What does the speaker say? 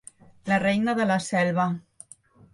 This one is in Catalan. La reina de la selva.